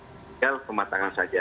tinggal pematangan saja